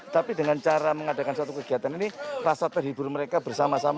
tapi dengan cara mengadakan satu kegiatan ini rasa terhibur mereka bersama sama